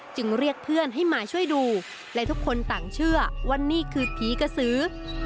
เรียกเพื่อนให้มาช่วยดูและทุกคนต่างเชื่อว่านี่คือผีกระสือ